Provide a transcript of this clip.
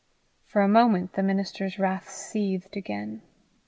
For a moment the minister's wrath seethed again.